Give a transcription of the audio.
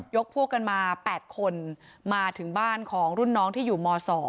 พวกกันมา๘คนมาถึงบ้านของรุ่นน้องที่อยู่ม๒